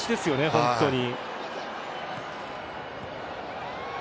本当に。